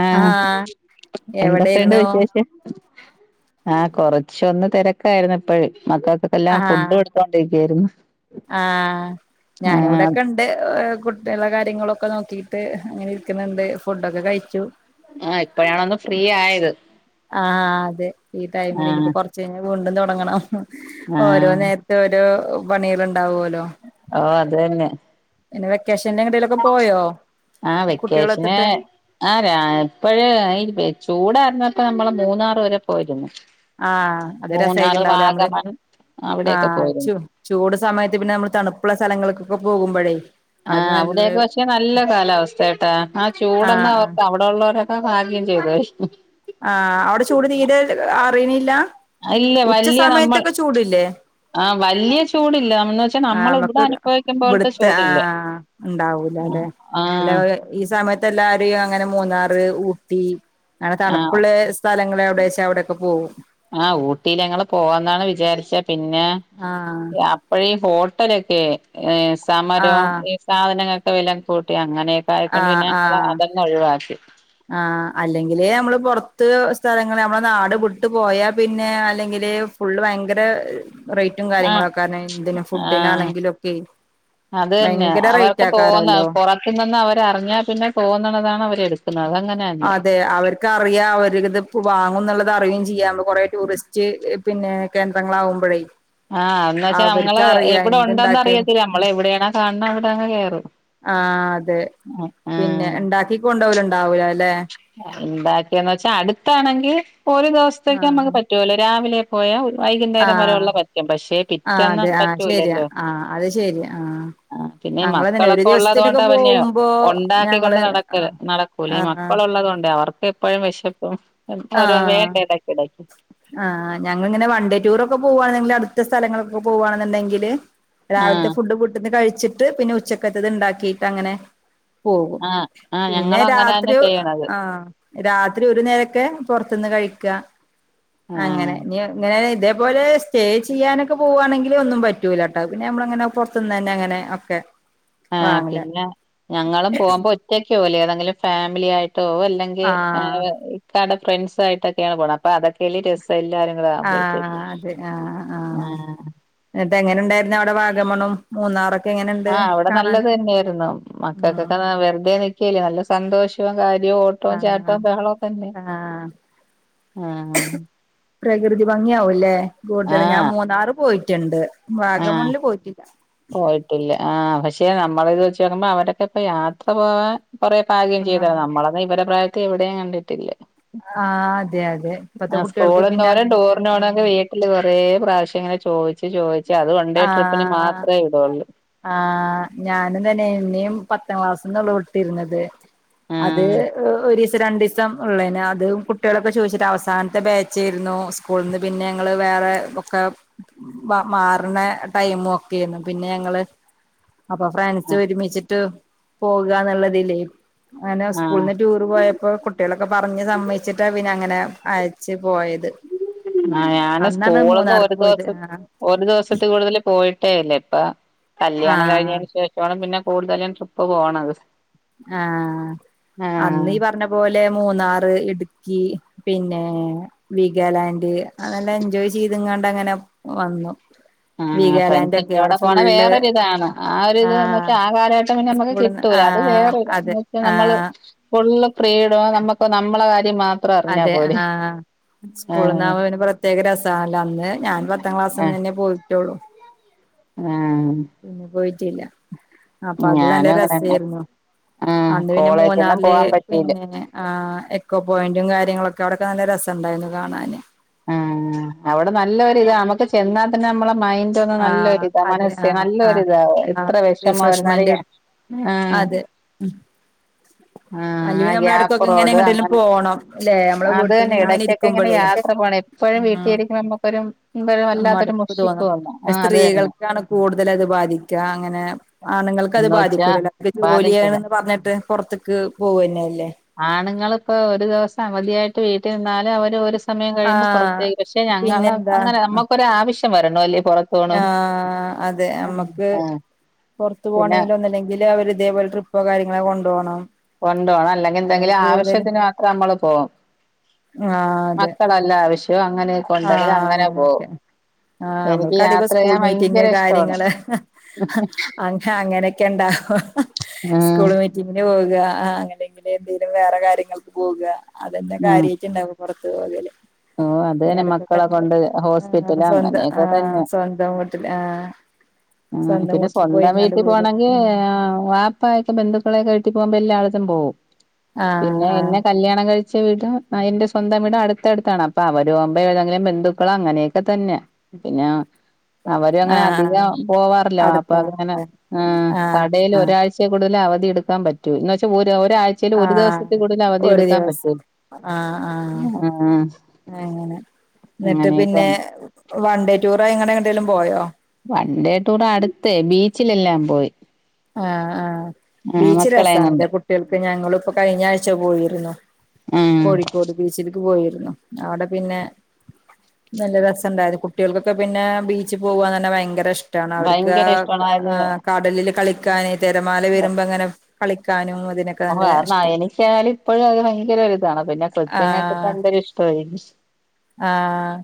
ആഹ് എന്തൊക്കെണ്ട് എവിടെയിരുന്നു വിശേഷം? ആ കൊറച്ചൊന്ന് തിരക്കായിരുന്നു എപ്പഴും മക്കൾക്കൊക്കെ എല്ലാം ആഹ് ഫുഡ് ക്കൊണ്ടിരിക്കരുന്നു ആഹ് ഞാനവിടെൊക്കെ ടെ കുട്ടികള കാര്യങ്ങളൊക്കെ നോക്കിയിട്ട് ങ്ങനെ ഇരിക്കുന്നുണ്ട് ഫുഡൊക്കെ കഴിച്ചു. ആഹ് ഇപ്പോഴാണ ഒന്ന് ഫ്രീ ആയത്. ആഹ് അതെ ഈ ടൈമിൽ ഇനിപ്പോ ആഹ് കൊറച്ച വീണ്ടും തുടങ്ങണം ഓരോ ആഹ് നേര ഒരോ പണിയാൽ ഉണ്ടാവല്ലോ? ആഹ് അതന്നെ. പിന്നെ വെക്കേഷനെടെലൊക്കെ പോയോ കുട്ടികളത്തിട്ട്? ആരാ ഇപ്പഴേ ചൂടരഞ്ഞപ്പോ നമ്മള് മൂന്നാറ് വരെ പോയിരുന്നു. ആഹ് അത് മൂന്നാറ് രസമായിട്ടുണ്ടാവലേ നമ്മള് വാഗമൺ ആ അവിടെയൊക്കെ പോയിരുന്നു ച്ചു ചൂട് സമയത്ത് പിന്നെ നമ്മൾ തണുപ്പുള്ള സ്ഥലങ്ങൾക്കൊക്കെ പോകുമ്പോഴേ അത് ആഹ് നല്ലൊരു അവിടെയൊക്കെ പക്ഷേ നല്ല കാലാവസ്ഥയട്ടാ ആ ചൂടന്ന ആഹ് ആഹ് അവർക്ക ള്ളവരൊക്കെ ഭാഗ്യം ചെയ്തായി ആഹ് അവിടെ ചൂട് തീരെ അറിയ്ണില്ല ഉച്ച സമയത്തൊക്കെ ചൂടല്ലേ? ആഹ് വല്ല്യ ചൂടില്ല നമ്മന്ന് വെച്ചാ ആഹ് നമ്മള ഇവിടെ നമ്മക്കൊരു അനുഭവിക്കുമ്പോലത്തെ ഇവിടുത്തെ ചൂട ഇല്ല. ആഹ് ഉണ്ടാവൂലല്ലെ? [unintelligible] ഈ സമയത്ത് എല്ലാരും അങ്ങനെ മൂന്നാറ് ഊട്ടി അങ്ങനെ തണു ആ സ്ഥലങ്ങള എവിടെച്ചാ അവിടെക്കെ പോകും ആഹ് ഊട്ടിൽ ഞങ്ങള് പോവാന്നാണ് വിചാരിച്ച പിന്നെ ആഹ് അപ്പോഴ ഈ ഹോട്ടലൊക്കെ സമരം ആഹ് ഈ സാധനങ്ങളൊക്കെ വിലം കൂട്ടി അങ്ങനെയ ആയിക്കൊണ്ട് ആഹ് പിന്നെ ഞങ്ങള് ആഹ് അതന്നെ ഒഴിവാക്കി. ആഹ് അല്ലെങ്കില് നമ്മള് പുറത്ത് സ്ഥലങ്ങള് നമ്മളെ നാട് വിട്ട് പോയാ പിന്നെ അല്ലെങ്കില് ഫുള്ള് ഭയങ്കര റേറ്റും ആ കാര്യങ്ങളും ക്കാര്ണ് എന്തിന് ആ ഫുഡിനാണെങ്കിലും ക്കെ അത് തന്നെ അവർക്ക് തോന്ന പുറ [unintelligible] ന്ന് അവരറിഞ്ഞാൽ പിന്നെ പോന്നണതാണ് അവര് എടുക്കുന്നത്ങ്ങനെ അതെ അവർക്ക് ക്കെ അറിയ അവരി ഇത് വാങ്ങും എന്നുള്ളത് അറിയും ചെയ്യാ കൊറെ ടൂറിസ്റ്റ് പിന്നെ കേന്ദ്രങ്ങളാവുമ്പോഴേ ആഹ് എന്ന് വെച്ചാ അവർക്ക് നമ്മള് അറിയാം എവിടെ ഒണ്ടെന്ന് എന്തുണ്ടാക്കിയാലും അറിയത്തില്ല നമ്മളെവിടെയാണോ കാണണ അവിടെയ ങ്ങ് കേറും. ആഹ് അതെ ആ പിന്നെ ഉണ്ടാക്കി കൊണ്ട് പോവല് ഉണ്ടാവൂല അല്ലെ ഉണ്ടാക്കിയന്ന് വെച്ചാ അടുത്താണെങ്കിൽ ഒരു ദിവസത്തേക്ക് ആ നമ്മുക്ക് പറ്റുല്ലോ രാവിലെ പോയാ വൈകുന്നേരം വരെ ഉള്ള പറ്റും പക്ഷെ ആഹ് പിറ്റേന്ന് അതെ ആഹ് ശെരിയാ പറ്റൂലല്ലോ ആഹ് അത് ശെരിയാ ആഹ് ആ ഹ് പിന്നെ മക്കളൊക്കെ ഉള്ളത് കൊണ്ടാ പിന്നെ പോകുമ്പോ ഞങ്ങള് ഉണ്ടാക്കിക്കൊണ്ട് ആ നടക്കല് ആ നടക്കൂല്ലെ മക്കളൊ - - ഉള്ളത് കൊണ്ടേ അവർക്ക് എപ്പോഴും വിശപ്പും ഓരോ വേണ്ട ആ ഇടക്കിടക്ക് ആഹ് ഞങ്ങളിങ്ങനെ വൺ ഡേ ടൂർ ഒക്കെ പോവുവാണെങ്കിൽ അടുത്ത സ്ഥലങ്ങളൊക്കെ പോവുവാണെന്നുണ്ടെങ്കില് രാവിലത്തെ ആഹ് ഫുഡ് വീട്ടിന്ന് കഴിച്ചിട്ട് പിന്നെ ഉച്ചക്കത്തത് ഉണ്ടാക്കിട്ട് അങ്ങനെ പോകും ആഹ് ആഹ് പിന്നെ ഞങ്ങളും അങ്ങനെ തന്നെ രാത്രി ചെയ്യണത് ആഹ് രാത്രി ഒരു നേരൊക്കെ പുറത്തുന്ന് കഴിക്കുക ആഹ് അങ്ങനെ ഇനി ഇങ്ങനെ ഇതേപോലെ സ്റ്റേ ചെയ്യാനൊക്കെ പോവാണെങ്കിലും ഒന്നും പറ്റൂല കേട്ടോ പിന്നെ നമ്മളങ്ങനെ പുറത്തുന്ന് തന്നെ അങ്ങനെ ഒക്കെ ആഹ് വാങ്ങല പിന്നെ ഞങ്ങളും പോകുമ്പോ ഒറ്റക്ക് പോവൂല്ല ഏതെങ്കിലും ഫാമിലി ആയിട്ട്‌ പോവും അല്ലെ ങ്കിൽ ആഹ് ഇക്കാടെ ഫ്രണ്ട്സും ആയിട്ടൊക്കെയാണ് പോണത് അപ്പം അതൊക്കെല്ലേ രസം എല്ലാരും കൂടെ ആവുമ്പോഴത്തേക്ക് ആഹ് അതെ ആഹ് ആഹ് എന്നിട്ട് എങ്ങനെ ഉണ്ടായിരുന്നു അവിടെ വാഗമണ്ണും മൂന്നാറൊക്കെ എങ്ങനെ ആഹ് അവിടെ നല്ലത് തന്നെയായിരുന്നു ഉം മക്കൾക്കൊക്കെ വെറുതെ നിക്കയല്ലേ നല്ല സ് സന്തോഷവും കാര്യവും ഓട്ടവും ആഹ് ചാട്ടവും ബഹളവും തന്നെ ആഹ് ആഹ് പ്രകൃതി ഭംഗിയാവൂല്ലേ കൂടുതല് ഞാൻ ആഹ് മൂന്നാറ് പോയിട്ടുണ്ട് ആഹ് വാഗമണ്ണില് പോയിട്ടില്ല പോയിട്ടില്ല ആ പക്ഷെ നമ്മള് ഇത് വെച്ച് നോക്കുമ്പോ അവടൊക്കെ ഇപ്പ യാത്ര പോവാൻ കുറെ ഭാഗ്യം ചെയ്തതാ ആഹ് നമ്മള് എന്നാ ഇവരുടെ പ്രായത്തിൽ എവിടെയും കണ്ടിട്ടില്ല ആഹ് അതെ അതെ ഇപ്പത്തെ ആഹ് കുട്ടികൾക്ക് സ്കൂളിന്ന് പിന്നെ പോലും അതിനൊക്കെ ടൂറിന് പോണൊക്കെ ആഹ് വീട്ടില് കൊറെ പ്രാവശ്യം ഇങ്ങനെ ചോദിച്ചു ചോദിച്ച് അത് വൺഡേ ട്രിപ്പിന് ആഹ് മാത്രവേ വിടൂള്ളൂ ആഹ് ഞാനും തന്നെ എന്നെയും പത്താം ക്ലാസീന്നേയുള്ളൂ വിട്ടിരുന്നത് അത് ആഹ് ഒരു ദിവസം രണ്ട് ദിവ സം ഉള്ളേന് അതും കുട്ടികളൊക്കെ ചോദിച്ചിട്ട് അവസാനത്തെ ബാച്ചായിരുന്നു സ്കൂളിൽ നിന്ന് പിന്നെ ഞങ്ങള് വേറെ ഒക്കെ മാറണ ടൈമും ഒക്കെയാരുന്നു പിന്നെ ഞങ്ങള് അപ്പൊ ആഹ് ഫ്രണ്ട്സും ഒരുമിച്ചിട്ട് പോകുകാന്നുള്ള ഇതിലേ അങ്ങനെ ആഹ് സ്കൂളീന്ന് ടൂറ് പോയപ്പോ കുട്ടികളൊക്കെ പറഞ്ഞ് സമ്മയിച്ചിട്ടാ പിന്നെ അങ്ങനെ അയച്ച് പോയത് ആഹ് ഞാന് അന്നാണ് സ്കൂളീന്ന് മൂന്നാർക്ക് ഒരു പോയത് ദിവസ ആഹ് ഒരു ദിവസത്തിൽ കൂടുതൽ പോയിട്ടേ ഇല്ല ഇപ്പ കല്യാണം ആഹ് കഴിഞ്ഞതിനു ശേ ഷമാണ് പിന്നെ കൂടുതലും ട്രിപ്പ് പോണത് ആഹ് ആ അന്നീ പറഞ്ഞ പോലെ മൂന്നാറ്, ഇടുക്കി, പിന്നെ വിഗാലാ ന്റ് അങ്ങനെ എൻജോയ് ചെയ്തങ്ങണ്ട് അങ്ങനെ വന്നു ആഹ് വീഗാലാൻഡ് ഒക്കെ ഫ്രണ്ട്സിന്റെ കൂടെ അവിടെ പോണ ഫുള്ള് വേറൊരിതാണ് ആ ഒരിത് ആഹ് വച്ചാ ആ കാലഘട്ടം പിന്നെ നമുക്ക് സ്കൂളിന്ന് കിട്ടൂല അത് ആഹ് വേറെ [unintelligible] അതെ എന്ന് വെച്ചാ നമ്മള് ആഹ് ഫുള്ള് ഫ്രീഡവും നമ്മുക്ക് നമ്മടെ കാര്യം മാ അതെ ആഹ് സ്കൂളീന്നാവുമ്പം പിന്നെ പ്ര ത്യേക രസം ആണല്ലൊ അന്ന് ഞാൻ പത്താം ക്ലാസിൽ നിന്ന് തന്നെ പോയിട്ടുള്ളൂ ആഹ് പിന്നെ പോയിട്ടില്ല അപ്പൊ അത് നല്ല ഞാനും അങ്ങനെന്നെ രസവായിരുന്നു ആ അന്ന് പിന്നെ കോളേജൊന്നും മൂന്നാറില് പോവാൻ പറ്റിയില്ല പിന്നേ ആഹ് എക്കോ പോയിന്റും കാര്യങ്ങളൊക്കെ അവിടൊക്കെ നല്ല രസമുണ്ടായിരുന്നു കാണാന് ഉം അവിടെ നല്ലൊരിതാ നമ്മുക്ക് ചെന്നാൽ തന്നെ നമ്മളെ മൈൻഡ്‌ ആ നല്ലൊരിതാ അതെ ആ മനസ്സ് ആ നല്ലൊരിതാ ആ എത്ര വിഷമം ആയിരുന്നാലും ആഹ് ഉം ആഹ് ആ ഗ്യാപ്പ് റോഡ് എങ്ങട്ടേലും അങ്ങനെ പോണം ല്ലെ നമ്മളെ അത് വീട്ടിൽ തന്നെ ഇടക്കൊക്കെ ഇങ്ങനെ ഇരിക്കുമ്പോഴേ യാത്ര പോണം എപ്പോഴും വീട്ടിലരിക്കുമ്പോ നമ്മുക്കൊരു നമ്മക്കൊരു ഉം വല്ലാത്തൊരു മടുപ്പ് മുഷിപ്പ് തോന്നും ആഹ് അത് തന്നെ സ്ത്രീകൾക്കാണ് കൂടുതൽ അത് ബാധിക്കുക അങ്ങനെ ആണുങ്ങൾക്ക് അത് എന്ന് വെച്ചാ ബാധിക്കൂലല്ലോ അവര് ജോലി ബാധിക്കില്ല ചെയ്യണോന്ന് പറഞ്ഞിട്ട് പുറത്തേക്ക് പോവന്നെയല്ലേ ആണുങ്ങൾക്ക് ഒരു ദിവസം അവധിയായിട്ട് വീട്ടിൽ നിന്നാലും അവര് ഒരു സമയം കഴിയുമ്പോ ആഹ് പുറത്തേക്ക് പക്ഷെ ഞങ്ങൾ പിന്നെന്താ അങ്ങനെ നമുക്കൊരു ആവശ്യം വരണോല്ലെ പൊറത്ത് പോണോ ആഹ് ആ പുറത്ത് പോണെങ്കില് ഒന്നല്ലെങ്കില് അവര് ഇതേപോലെ ട്രിപ്പോ കാര്യങ്ങളോ കൊണ്ടു പോണം കൊണ്ടോണം അല്ലെങ്കില് എന്തെങ്കിലും ആവശ്യത്തിന് മാത്രം നമ്മള് പോകും ആഹ് അതെ മക്കളല്ല ആവശ്യവോ അങ്ങനെക്കെ ഉണ്ടെങ്കിൽ അങ്ങനെ പോകും ആഹ എനിക്ക് നമ്മൾക്ക് അധികം യാത്ര സ്കൂൾ ചെയ്യാൻ മീറ്റിംഗ് ഭയങ്കര ഇഷ്ടമാണ് കാര്യങ്ങള് ഹ അ അങ്ങനെയൊക്കെ ഉണ്ടാവോ ഹ് ഹ ഹ ഉം മീറ്റിങ്ങിന് പോവുക അങ്ങനെങ്കിലെ എന്തെങ്കിലും വേറെ കാര്യങ്ങൾക്ക് പോകുക അതന്നെക്കെ ആഹ് കാര്യായിറ്റ്ണ്ടാവും പൊറത്ത് പോകല് ഓ അത് പിന്നെ തന്നെ മക്കളെ കൊണ്ട് ഹോസ്പിറ്റല അങ്ങനെ ആ സ്വന്തം വീട്ടില് ആഹ് ആ സ്വന്തം പിന്നെ വീട്ടിൽ സ്വന്തം പോയിങ്ങാണ്ട് വീട്ടിൽ പോരാ പോണങ്കി ഉം ആ വാപ്പായൊക്കെ ബന്ധുക്കളൊക്കെയിട്ട് പോകുമ്പോ എല്ലാടത്തും പോകും ആഹ് പിന്നെ എന്നെ ആഹ് കല്യാണം കഴി ച്ച വീട എന്റെ സ്വന്തം വീടും അടുത്തടുത്ത് അപ്പ അവര് ആകുമ്പോ ഏതെങ്കിലും ബന്ധുക്കളോ അങ്ങനെയൊക്കെ തന്നെ പിന്നെ അവരും അങ്ങനെ ആഹ് ആഹ് അധികം പോവാറില്ല വാപ്പാക്ക് അങ്ങനെ അടുത്താണല്ലേ ആഹ് കടേല് ആഹ് ഒരാ ഴ്ച കൂടുതൽ അവധി എടുക്കാൻ പറ്റു എന്ന്വച്ചാ ഒരാ ച ഒരു ആഹ് ദിവസത്തി കൂടുതൽ അവധി ഒരു എടുക്കാൻ പറ്റൂ ദിവസം ആഹ് ആഹ് ആ അങ്ങനെ എന്നിട്ട് പിന്നെ വൺ ഡേ ടൂറങ്ങടെ എങ്ങടെങ്കിലും പോയോ വൺ ഡേ ടൂർ അടുത്തേ ബീച്ചിലെല്ലാം പോയി ആഹ് ആഹ് ആഹ് ബീച്ച് മക്കളേം കൊണ്ട് രസാണല്ലേ കുട്ടികൾക്ക് ഞങ്ങിപ്പോ കഴിഞ്ഞ ആഴ്ച പോയിരുന്നു ഉം കോഴിക്കോട് ബീച്ചിലേക്ക് പോയിരുന്നു അവിടെ പിന്നെ നല്ല രസംണ്ടായത് കുട്ടികൾക്കൊക്കെ പിന്നെ ബീച്ചിൽ പോവാന്നറഞ്ഞാ തന്നെ ഭയങ്കര ഇഷ് ടാണ് അവർക്ക് ഭയങ്കര ഇഷ്ടമാണ് അത് ആ കടലില് കളിക്കാന് തിരമാല വരുമ്പ അങ്ങനെ കളിക്കാനും അതിനൊക്കെ ഓ നല്ല ഇഷ്ട [unintelligible] എനിക്കായാലും ഇപ്പോഴും അത് ഭയങ്കര ഒരുതാണ് പിന്നെ കൃത്യങ്ങൾക്കക്ക് ഇപ്പോ എന്തരും ഇഷ്ടായി ആഹ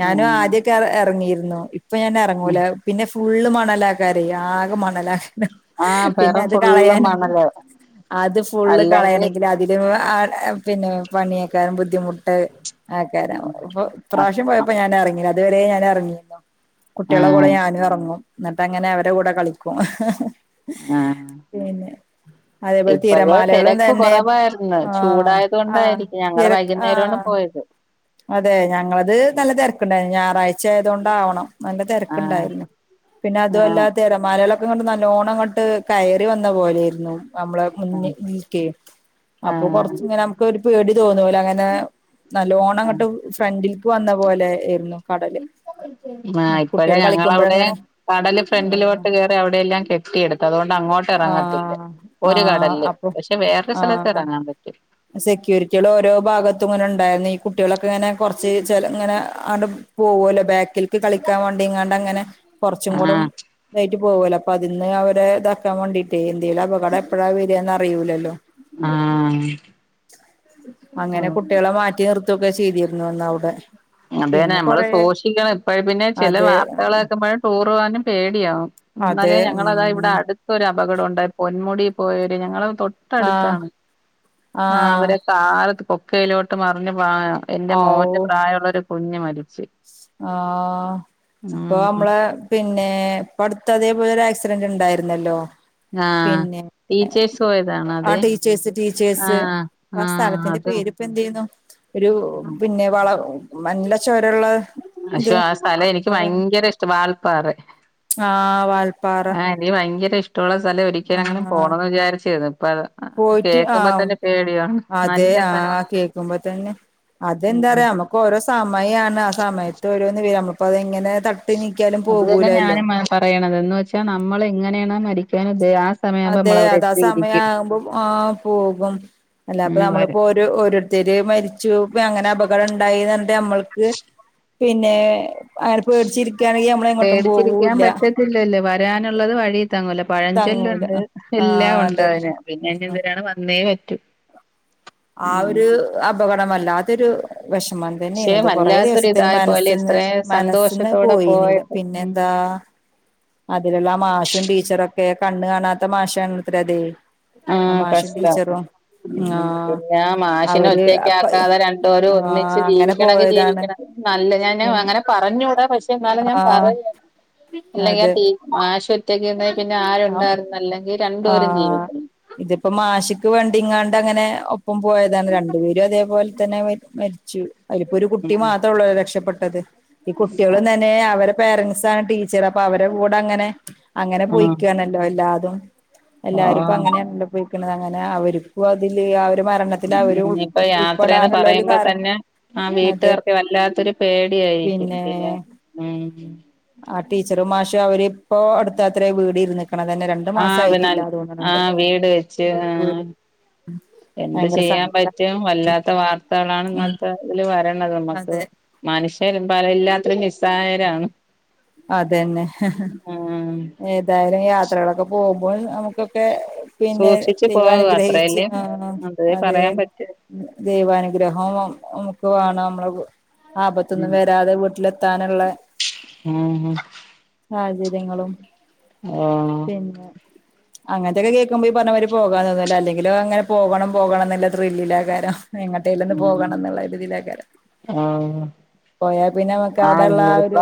ഞാനും ആദ്യൊക്കെ ഇറങ്ങിയിരുന്നു ഇപ്പൊ ഞാൻ ഉം ഇറങ്ങൂല പിന്നെ ഫുള്ള് മണലാക്കാറ് ആകെ മണലാ ഹ് ഹ ആഹ് പെറം പിന്നെത് ഫുള്ള് കളയാന് മണല് അത് ഫുള്ള് അല്ലെങ്കിൽ കളയണെങ്കി അത് വ് ആ പിന്നെ പണിയക്കാനും ബുദ്ധിമുട്ട് ആക്കാ ഇപ്രാവശ്യ പോയപ്പോ ഞാനെറങ്ങീല അതുവരെ ഞാനെറങ്ങിരുന്നു കുട്ടികളെ കൂടെ ആഹ് ഞാനും എറങ്ങും എന്നിട്ട് അങ്ങനെ അവരെ കൂടെ കളിക്കും ഹ് ഹ ആഹ് പിന്നെ അതേപോലെ ഇപ്പഴ് തിരമാലകളും തിരക്ക് തന്നെ കുറവായിരുന്നു ആ ചൂടായത് ആ കൊണ്ടായിരിക്കും ഞങ്ങള് തിര വൈകുന്നേരമാണ് ആഹ് പോയത് അതെ ഞങ്ങളത് നല്ല തെരക്കുണ്ടായിരുന്നു ഞായറാഴ്ച ആയത് കൊണ്ടാവണം നല്ല ആഹ് തെരക്കുണ്ടായിരുന്നു പിന്നെ അതു ആഹ് അല്ലാ തിരമാലകളൊക്കെ ഇങ്ങ്ട്ട് നല്ലോണം അങ്ങോട്ട് കയറി വന്ന പോലെയാരുന്നു നമ്മളെ മുന്നി ആഹ് ഇൽക്കേ അപ്പൊ ആഹ് കൊറച്ച് ഇങ്ങന ഒരു പേടി തോന്ന പോലെ അങ്ങനെ നല്ലോണം ആഹ് അങ്ങട്ട് ഫ്രണ്ടിലേക്ക് വന്ന പോലേയിരുന്നു കടല് ആ ഇപ്പഴേ കുട്ടികൾ കളിക്കുമ്പോഴങ്ങനെ ഞങ്ങളവിടെയും കടല് ആ ഫ്രണ്ടിലോട്ട് കേറി അവിടെയെല്ലാം കെട്ടി കെട്ടിയെടുത്തതുകൊണ്ട് അങ്ങോട്ടെറങ്ങത്തില്ല ആഹ് ഒരു ആഹ് കടലില് അപ്പൊ പക്ഷെ വേറൊരു സ്ഥലത്തെറങ്ങാൻ പറ്റും സെക്യൂരിറ്റിയളോരോ ഭാഗത്തും ഇങ്ങന്ണ്ടായിരുന്നു ഈ കുട്ടികളൊക്കെ ഇങ്ങനെ കൊറച്ച് ചെല ഇങ്ങനെ ആട പോവോല്ലോ ബാക്കിൽക്ക് കളിക്കാൻ വേണ്ടിങ്ങാണ്ടങ്ങനെ കൊറച്ചും കൂടെ ആഹ് [unintelligible] പോകു അല്ലോ അപ്പതിന്ന് അവരെ ഇതാക്കാൻ വേണ്ടിട്ടേ എന്തേലപകടം എപ്പഴാ വര്വാ ന്നറിയൂലല്ലോ ആഹ് അങ്ങനെ കുട്ട്യാളെ മാറ്റി നിർത്തൊക്കെ ചെയ്തിരുന്നു അന്നവ്ടെ അതന്നെ നമ്മള് സൂക്ഷിക്കണം ഇപ്പഴ് പിന്നെ ചില അതെ വാർത്തകള് കേക്കുമ്പഴും ടൂറ്പോവാനും പേടിയാവും അതെ ഇന്നലേ ഞങ്ങളതാ ഉം ഇവിടടുത്തൊരപകടുണ്ടായി പൊന്മുടിയി പോയര് ഞങ്ങള് തൊ ആഹ് ട്ടട്ത്താണ് ആഹ് അവരത് കാലത്ത് കൊക്കയിലോട്ട് മറിഞ്ഞ് എന്റെ മോന്റെ ഔ പ്രായുള്ളൊരു കുഞ്ഞ് മരിച്ച് ആഹ് ഉം അപ്പൊനമ്മളെ പിന്നെ ഇപ്പടുത്തതേപോലൊരു ആക്സിഡന്റ്ണ്ടായിര്ന്നല്ലോ ആഹ് ടീച്ചേഴ്സ് ആ പോയതാണത് ടീച്ചേഴ്സ് ആഹ് ആഹ് അതും ഇപ്പെന്തെയ്യുന്നു ഒരു പിന്നെ വള നല്ല ഷ പക്ഷാ ആ സ്ഥലം എനിക്ക് ഭയങ്കര ഇഷ്ടം വാൽപ്പാറ ആഹ് വാൾപ്പാറ ഇനി ഭയങ്കരിഷ്ടമുള്ള സ്ഥലം ഒരിക്കലെങ്കിലും പോണന്ന് വിചാരിച്ചായിരുന്നു ഇപ്പൊ അത് പോയിട്ട് ആഹ് കേക്കുമ്പൊതന്നെ പേടിയാണ് നല്ല സ്ഥലഒന്നുല്ലേ ക്കുമ്പൊതന്നെ അതെന്താപറയാ നമുക്കോരോ സമയാണ് ആ സയത്ത് ഓരോന്ന് വര നമ്മക്ക് അപ്പതെങ്ങനെ തട്ടി നീക്കിയാലും അത് തന്നെ പോകൂലല്ലോ ഞാനും പറയണത് എന്ന് വച്ചാ നമ്മളെങ്ങനെയാണൊ മരിക്കാനുദ്ദേ ആ സമയമാകുമ്പോ അതെ നമ്മളവിടെ അതാ എത്തിയിരിക്കും സമയാകുമ്പൊ ആ പോകും അല്ലാ ഇപ്പൊ ഉം വര നമ്മളിപ്പൊ ഓരോ ഓരോരുത്തര് മരിച്ചു ഇപ്പങ്ങനെ അപകട്ണ്ടായിന്നറഞ്ഞിട്ട് നമ്മൾ ക്ക്‌ പിന്നെ അങ്ങനെ പേടിച്ചിരിക്കാണെങ്കി നമ്മളെങ്ങോട്ടും പോവൂല്ല ഇല്ലില്ല വരാനുള്ളത് വഴി തങ്ങൂല തങ്ങൂല പഴഞ്ചൊല്ലുണ്ട് ആ എല്ലാം അതന്നെ ഉണ്ടതിന് ആ പിന്നെ എന്തേം വര്ണെ വന്നേ പറ്റു ആ ഒരു അപകടം വല്ലാത്തൊരു വെഷമം പക്ഷെ തന്നെയ്നത് കൊറേ വല്ലാത്തൊരു ദിവസത്തിന് ഇതായ പോലെ മനസ്സിന്ന് ഇത്രയും മനസ്സിന്നത് സന്തോഷത്തോടെ പോയീന്നില്ല പോയത് പിന്നെന്താ അതിലുള്ള ആ മാഷും ടീച്ചറൊക്കെ കണ്ണ് കാണാത്ത മാഷാണത്രേ അത് ആഹ് കഷ്ടം ആ പിന്നാ അവര് അപ്പ മാഷിനൊറ്റക്കാക്കാതെ രണ്ടോരും ആ ഒന്നിച്ച് അങ്ങനെ ജീവിക്കണെങ്കി പോയതാണ് ജീവിക്കണം നല്ല ഞാന പിൻ അങ്ങനെ പറഞ്ഞൂടാ പക്ഷേ എന്നാലും ഞാൻ ആ പറയാ അല്ലെങ്കി ആ അതെ ടീ മാഷൊറ്റക്കരുന്നെ പിന്നെ ആ ആരുണ്ടായിരുന്നല്ലെങ്കി ആഹ് ഇതിപ്പൊ മാഷ്ക്ക് വേണ്ടിങ്ങാണ്ടങ്ങനെ ഒപ് പ്പം പോയതാണ് രണ്ടുപേരും അതേപോൽതന്നെ മരിച്ചു അയിലിപ്പൊരു കുട്ടി ഉം മാത്രേ ഉള്ളൂ രക്ഷപ്പെട്ടത് ഈ കുട്ട്യോളും തന്നെ അവരെ പേരൻസാണ് ടീ ച്ചറപ്പവരെടെ കൂടങ്ങനെ അങ്ങനെ ആഹ് പോയിക്കാന്നല്ലോ എല്ലാതും എല്ലാരും ആഹ് ഇപ്പങ്ങനെയാണല്ലോ പോയിക്കണത് അങ്ങനെ അവര്ക്കും അതില് ആ ഒര് ഉം ഇനിപ്പൊ യാത്രയെന്ന് ഒരു പറയുമ്പൊ കാരണം തന്നെ ആ അതെ വീട്ടുകാർക്ക്‌ വല്ലാത്തൊരു പേടിയായിരിക്കും പിന്നെ ഉം ആഹ് ടീച്ചറും മാഷും അവരിപ്പൊ അടുത്താത്രെ വീടിരുന്ന്ക്കണതന്നെ രണ്ടു മാസം ആഹ് പിന്നൽ ത്തായിട്ടില്ല തോന്നണണ്ട് ആഹ് വീട് വെച്ച് ആഹ് വീട് എന്ത് ഭയങ്കര ചെയ്യാൻ സങ്കടം പറ്റും വല്ലാത്ത വാർത്തകളാണ് ഉം ഇങ്ങനത്തെ ഇതില് വരണത് നമ്മക്ക് അതെ മനുഷ്യരും ഇപ്പല്ലാത്തിലും നിസായരാണ് അതന്നെ ആഹ് ഏതായാലും യാത്രകളൊക്കെ പോകുമ്പൊ നമുക്കൊക്കെ പിന്നെ സൂക്ഷിച്ചു പോവുക ദൈവാനുഗ്രഹിച്ച് അത്രയല്ലേ ആഹ് അതേ അതെ പറയാൻ പറ്റൂ ദൈവാനുഗ്രഹോം ഒ ഒക്കെ വേണം നമ്മള് വീ ആപത്തൊന്നും ഉം വരാതെ വീട്ടിലെത്താനുള്ള ആഹ് സാഹചര്യങ്ങളും ആഹ് പിന്നെ അങ്ങനെത്തെക്കെ കേക്കുമ്പോ ഈ പറഞ്ഞ മാരി പോകാൻ തോന്നില്ല അല്ലെങ്കിലോ അങ്ങനെ പോകണം പോകണം എന്നള്ള ത്രില്ലില ആ കാരം എങ്ങട്ടേലൊന്ന് പോകണം എന്നുള്ള ഇട്തിലേക്കാര ആഹ് പോയാ പിന്നെ നമുക്ക് ആഹ് അവിടെള്ള ആ ഇനിയിപ്പ ഒരു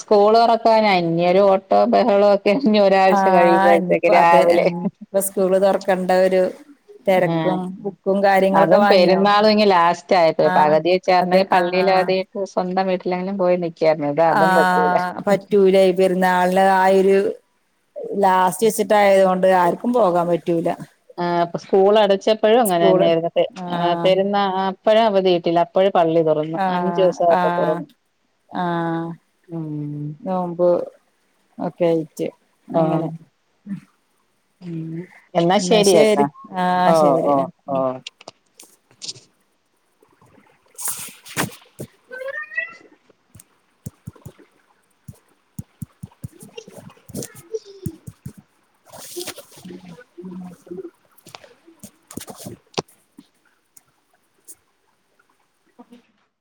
സ്കൂള് തൊറക്കാനായി ഞി ഒരു ഓട്ടോ ബഹളോ ഒ ക്കെച്ചിനി ഒരാഴ്ച്ച ആഹ് ഇനിയിപ്പോ കഴിയുമ്പോഴത്തേക്ക് അതെ രാവിലെ ഇപ്പൊ സ്കൂള് തൊറക്കേണ്ട ഒരു ആഹ് തിരക്കും ബുക്കും കാര്യങ്ങളൊക്കെ അതും വാങ്ങിയോ പെരുന്നാളും ഇങ്ങ് ലാസ്റ്റ് ആയപ്പോയി ആഹ് പകുതി അതെ ചേർന്നെങ്കിൽ പള്ളിയില് ആഹ് അവധി എടുത്തു സ്വന്തം വീട്ടെങ്കിലും പോയി നിൽ ആഹ് പറ്റൂലയി പെരുന്നാളിന് ആ ഒരു ലാസ്റ്റ് വെച്ചിട്ട് ആയതുകൊണ്ട് ആർക്കും പോകാൻ പറ്റൂല ആഹ് ഇപ്പൊ സ്കൂൾ അടച്ചപ്പോഴും സ്കൂള് അങ്ങനെന്നെയായിരുന്നു പെരു ആഹ് പെരുന്ന ആഹ് അപ്പോഴും അവധി കിട്ടില്ല അപ്പഴേ പള്ളി തൊറ ആഹ് ആഹ് ആഹ് ഉം നോമ്പ് ഒക്കെ ആയിട്ട് ആഹ് അങ്ങനെ ഉം എന്നാ ശരികേട്ട ശരി ആഹ് ഓ ശരി ഓ ഓ ആഹ് [inaudible] ഉം ഉം